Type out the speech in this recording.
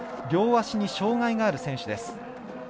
両足に障がいがある選手です。